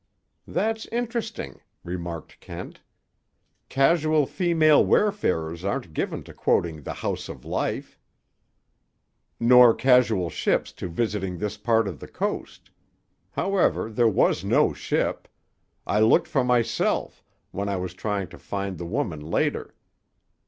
'" "That's interesting," remarked Kent. "Casual female wayfarers aren't given to quoting The House of Life." "Nor casual ships to visiting this part of the coast. However, there was no ship. I looked for myself, when I was trying to find the woman later.